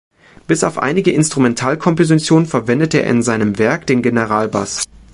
Bis auf einige Instrumentalkompositionen verwendet er in seinem Werk den Generalbass.